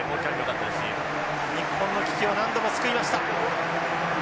日本の危機を何度も救いました。